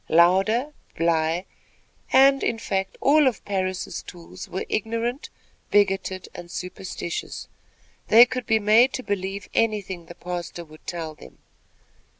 Louder, Bly and, in fact, all of Parris' tools were ignorant, bigoted and superstitious. They could be made to believe anything the pastor would tell them.